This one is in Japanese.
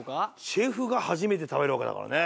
シェフが初めて食べるわけだからね。